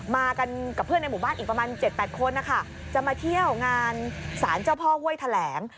มากันกับเพื่อนในหมู่บ้านอีกประมาณ๗๘คนนะคะจะมาเที่ยวงานสารเจ้าพ่อห้วยแถลง